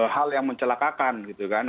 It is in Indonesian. hal yang mencelakakan gitu kan